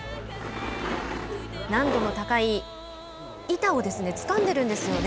難度の高い板をつかんでいるんですよね。